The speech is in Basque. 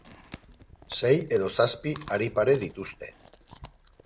Sei edo zazpi hari pare dituzte.